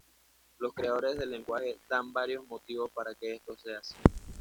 Los creadores del lenguaje dan varios motivos para que esto sea así.